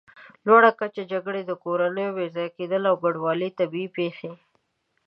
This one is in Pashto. لوړه کچه، جګړې، د کورنیو بېځایه کېدل او کډوالي، طبیعي پېښې